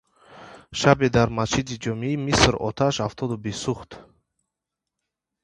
Шабе дар масҷиди ҷомеи Миср оташ афтоду бисӯхт.